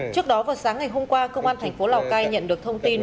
trước đó vào sáng ngày hôm qua công an thành phố lào cai nhận được thông tin